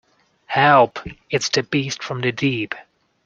Help! It's the beast from the deep.